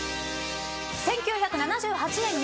１９７８年入団。